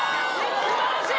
素晴らしい！